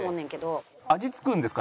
味付くんですか？